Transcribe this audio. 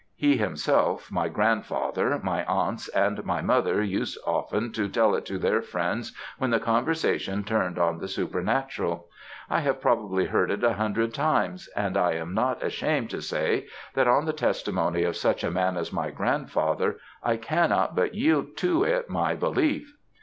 He himself my grandfather, my aunts, and my mother used often to tell it to their friends when the conversation turned on the supernatural. I have probably heard it a hundred times and I am not ashamed to say that on the testimony of such a man as my grandfather I cannot but yield to it my belief.